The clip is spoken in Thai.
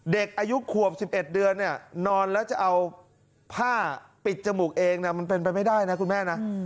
เด็กอายุขวบ๑๑เดือนเนี่ยนอนแล้วจะเอาผ้าปิดจมูกเองมันเป็นไปไม่ได้นะคุณแม่นะ